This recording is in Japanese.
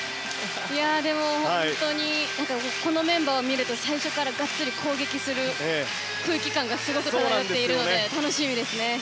でも、本当にこのメンバーを見ると最初からがっつり攻撃する空気感が漂っているので楽しみですね。